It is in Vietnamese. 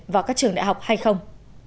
vào các trường đại học hay không